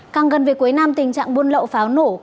càng gần việc cuối năm tình trạng buôn lậu pháo nổ